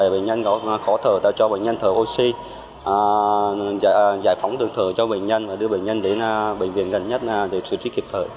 bệnh nhân có khó thở ta cho bệnh nhân thở oxy giải phóng được thở cho bệnh nhân và đưa bệnh nhân đến bệnh viện gần nhất để xử trí kịp thời